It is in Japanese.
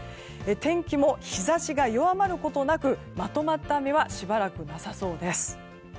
天気も日差しが弱まることなくまとまった雨はしばらくなさそうです。